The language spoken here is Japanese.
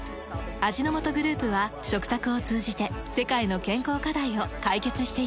味の素グループは食卓を通じて世界の健康課題を解決していきます。